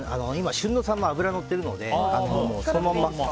旬のサンマは脂がのってるのでそのまま。